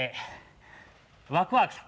わくわくさん。